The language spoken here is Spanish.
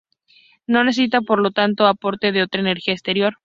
No necesita por lo tanto aporte de otra energía exterior.